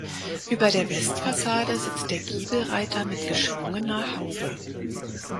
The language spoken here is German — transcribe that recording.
Über der Westfassade sitzt der Giebelreiter mit geschwungener Haube.